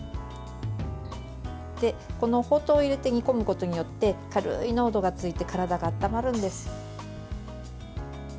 このほうとうを入れて煮込むことによって軽い濃度がついて体が温まるんです。